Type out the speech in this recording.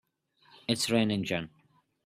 It's raining gin!